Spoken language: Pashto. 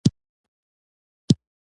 مجاهد د الله ذکر کوي.